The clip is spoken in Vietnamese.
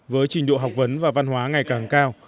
với trình độ học vấn và văn hóa ngày càng cao